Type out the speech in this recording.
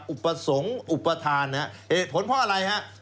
อุปสรงอุปทานเหตุผลเพราะอะไร